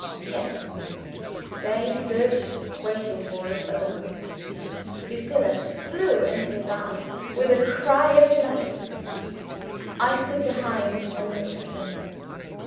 Yes! There he stood waiting for us alone! Lucilla flew into his arms with a cry of delight. I stood behind and looked at them.